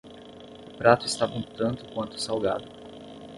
O prato estava um tanto quanto salgado